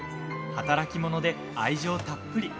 働き者で愛情たっぷり。